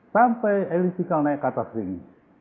sampai elias pikal naik ke atas sini